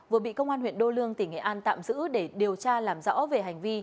vừa bị công an huyện đô lương tỉnh nghệ an tạm giữ để điều tra làm rõ về hành vi